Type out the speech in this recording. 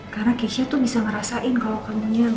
karena keisha tuh bisa ngerasain kalau kamu gak tenang